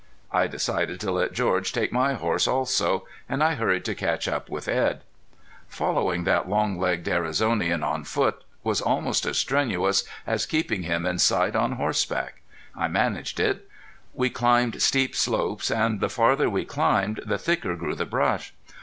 I decided to let George take my horse also, and I hurried to catch up with Edd. Following that long legged Arizonian on foot was almost as strenuous as keeping him in sight on horseback. I managed it. We climbed steep slopes and the farther we climbed the thicker grew the brush.